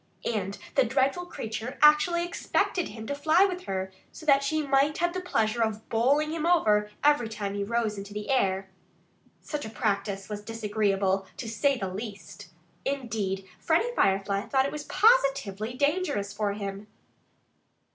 And the dreadful creature actually expected him to fly for her so that she might have the pleasure of bowling him over every time he rose into the air. Such a practice was disagreeable, to say the least. Indeed, Freddie Firefly thought it was positively dangerous, for him.